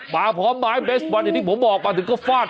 มาพร้อมมาเนี่ยเบสอย่างนี้ผมบอกมาถึงก็ฟาด